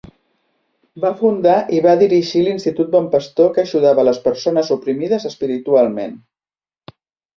Va fundar i va dirigir l'Institut Bon Pastor que ajudava a les persones oprimides espiritualment.